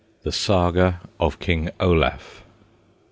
THE SAGA OF KING OLAF.